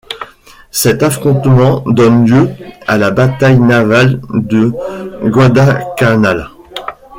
Cet affrontement donne lieu à la bataille navale de Guadalcanal.